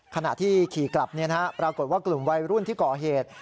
ขณะที่ขี่กลับปรากฏว่ากลุ่มวัยรุ่นที่ก่อเหตุ